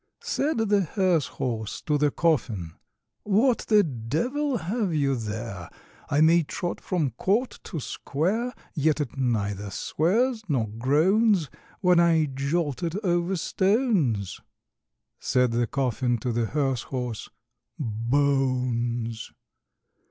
Said the hearse horse to the coffin, "What the devil have you there? I may trot from court to square, Yet it neither swears nor groans, When I jolt it over stones." Said the coffin to the hearse horse, "Bones!"